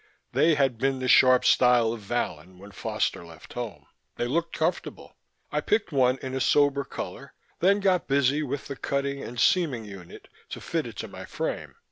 They had been the sharp style of Vallon when Foster left home. They looked comfortable. I picked one in a sober color, then got busy with the cutting and seaming unit to fit it to my frame.